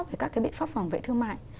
về các cái biện pháp phòng vệ thương mại